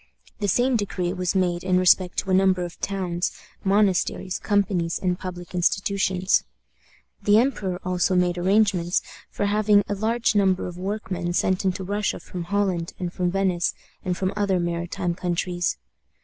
The same decree was made in respect to a number of towns, monasteries, companies, and public institutions. The emperor also made arrangements for having a large number of workmen sent into Russia from Holland, and from Venice, and from other maritime countries.